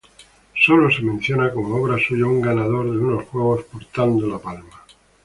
Sólo se menciona como obra suya un ganador de unos juegos portando la palma.